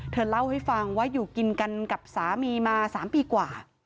เธอเล่าให้ฟังว่าอยู่กินกันกับสามีมา๓ปีกว่า